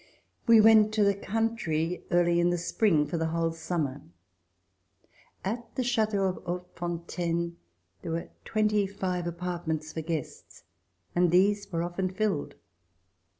We went to the country early in the spring for the whole summer. At the chateau of Hautefontaine there were twenty five apartments for guests, and these were often filled.